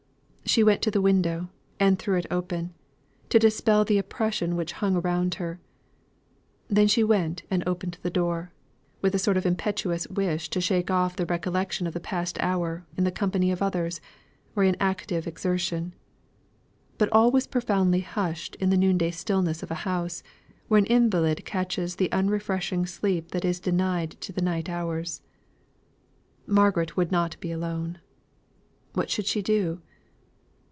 She went to the window, and threw it open, to dispel the oppression which hung around her. Then she went and opened the door, with a sort of impetuous wish to shake off the recollection of the past hour, in the company of others, or in active exertion. But all was profoundly hushed in the noonday stillness of a house, where an invalid catches the unrefreshing sleep that is denied to the night hours. Margaret would not be alone. What should she do?